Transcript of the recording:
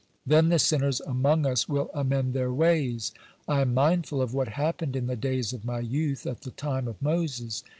Then the sinners among us will amend their ways. I am mindful of what happened in the days of my youth, at the time of Moses.